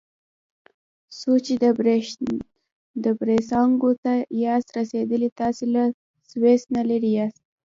څو چې بریساګو ته نه یاست رسیدلي تاسي له سویس نه لرې یاست.